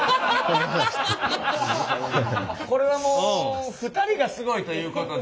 これはもう２人がすごいということで。